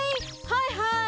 はいはい！